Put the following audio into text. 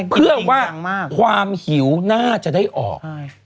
เพื่อว่าความหิวน่าจะได้ออก